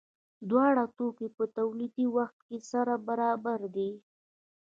دواړه توکي په تولیدي وخت کې سره برابر دي.